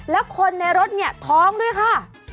แล้วคนในรถเนี่ยท้องด้วยค่ะ